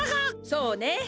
そうね。